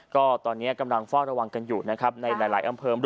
ก็ตอนนี้กำลังเฝ้าระวังกันอยู่นะครับในหลายอำเภอ